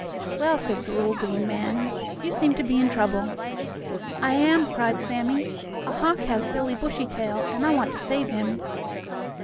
"Well," said the little green man, "you seem to be in trouble." "I am," cried Sammie. "A hawk has Billie Bushytail, and I want to save him."